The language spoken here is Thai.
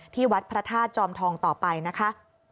ที่วัดพระธาตุจอมทองต่อไปนะคะ